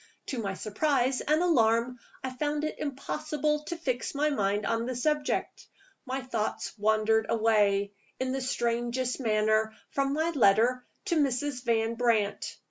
To my surprise and alarm, I found it impossible to fix my mind on the subject. My thoughts wandered away, in the strangest manner, from my letter to Mrs. Van Brandt.